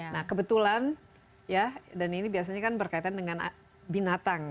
nah kebetulan ya dan ini biasanya kan berkaitan dengan binatang